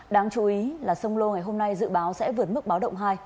đáng chú ý là sông lô ngày hôm nay dự báo sẽ vượt mức báo động hai